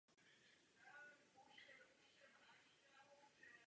Dosud je nejpopulárnější hrou mingské doby.